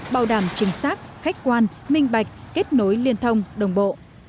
bảo đảm chính xác khách quan minh bạch kết nối liên thông đồng bộ